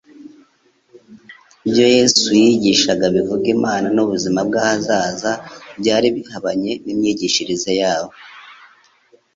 ibyo Yesu yigishaga bivuga Imana n'ubuzima bw'ahazaza byari bihabanye n'imyigishirize yabo.